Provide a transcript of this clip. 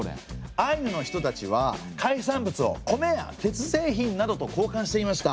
アイヌの人たちは海産物を米や鉄製品などと交換していました。